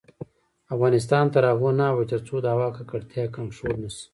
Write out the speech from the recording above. افغانستان تر هغو نه ابادیږي، ترڅو د هوا ککړتیا کنټرول نشي.